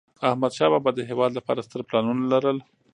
احمدشاه بابا د هېواد لپاره ستر پلانونه لرل.